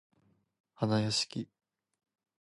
はなやしき